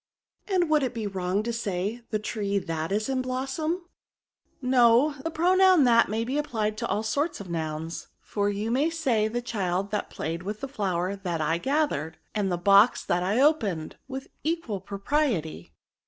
*^ And would it be wrong to say, the tree that is in blossom ?"^' No : the pronoun that may be applied to all sorts of nouns, for you may say the child that played with the flower that I gathered, and the box that I opened, with equal propriety.